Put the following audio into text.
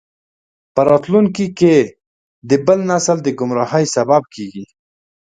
په راتلونکي کې د بل نسل د ګمراهۍ سبب کیږي.